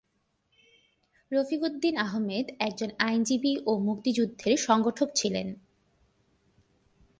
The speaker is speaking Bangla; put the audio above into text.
রফিক উদ্দিন আহমেদ একজন আইনজীবী ও মুক্তিযুদ্ধের সংগঠক ছিলেন।